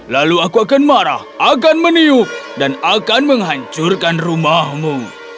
lalu aku akan marah akan meniup dan akan menghancurkan rumahmu